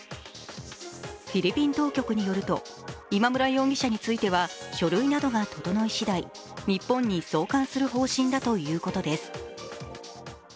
フィリピン当局によると、今村容疑者については書類などが整い次第、日本に送還する方針だということです。